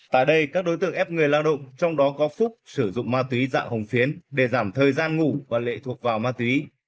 tại đây các đối tượng ép người lao động trong đó có phúc sử dụng ma túy dạng hồng phiến để giảm thời gian ngủ và lệ thuộc vào ma túy